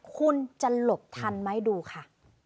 คุณจะหลบทันไหมดูค่ะ